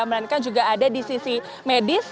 melainkan juga ada di sisi medis